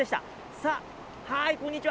さあ、こんにちは。